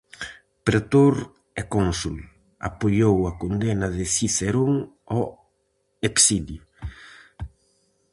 Pretor e cónsul, apoiou a condena de Cicerón ao exilio.